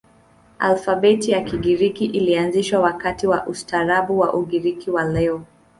Alfabeti ya Kigiriki ilianzishwa wakati wa ustaarabu wa Ugiriki wa leo.